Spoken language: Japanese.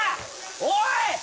おい！